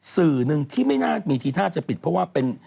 สื่อหนึ่งที่ไม่น่ามีทีท่าจะปิดเพราะว่าเป็น